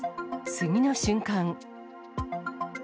次の瞬間。